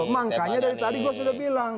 makanya tadi saya sudah bilang